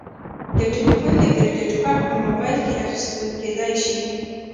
د تلیفون د کریدت کارت په موبایل کې اخیستل کیدی شي.